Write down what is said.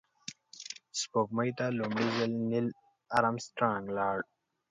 سپوږمۍ ته لومړی ځل نیل آرمسټرانګ لاړ